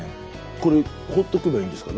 これほっとけばいいんですか？